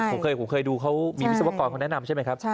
ผมเคยดูเขามีวิศวกรเขาแนะนำใช่ไหมครับ